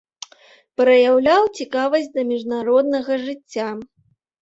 Праяўляў цікавасць да міжнароднага жыцця.